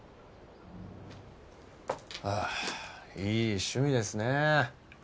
ああいい趣味ですねえ。